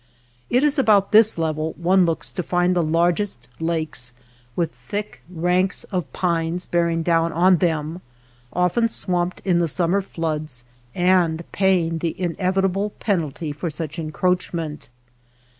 It is about this level one looks to find the largest lakes with thick ranks of pines bearing down on them, often swamped in the summer floods and paying the inevita ble penalty for such encroachment.